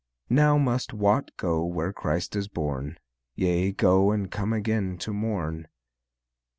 Now must Wat go where Christ is born, Yea, go and come again to morn.